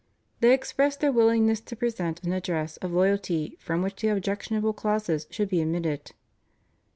They expressed their willingness to present an address of loyalty from which the objectionable clauses should be omitted.